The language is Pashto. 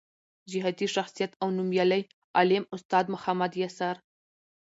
جهادي شخصیت او نومیالی عالم استاد محمد یاسر